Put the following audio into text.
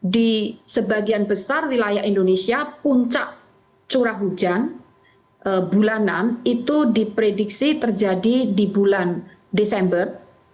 di sebagian besar wilayah indonesia puncak curah hujan bulanan itu diprediksi terjadi di bulan desember